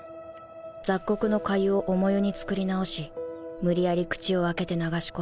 雑穀の粥を重湯に作り直し無理やり口を開けて流し込み